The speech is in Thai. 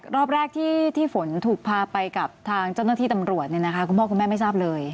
รอบแรกที่ฝนถูกพาไปกับทางเจ้าหน้าที่ตำรวจคุณพ่อคุณแม่ไม่ทราบเลย